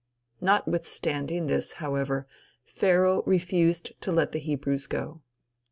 Notwithstanding this, however, Pharaoh refused to let the Hebrews go.